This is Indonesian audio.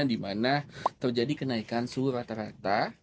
dimana terjadi kenaikan suhu rata rata